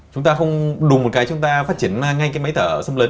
chúng ta không đủ một cái chúng ta phát triển ngay cái máy thở xâm lấn